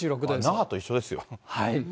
那覇と一緒ですよ。